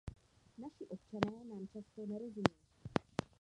Naši občané nám často nerozumí.